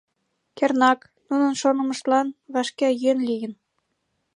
Кернак, нунын шонымыштлан вашке йӧн лийын.